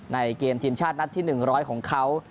ในเกมทีมชาตินัดที่๑๐๐ของเขา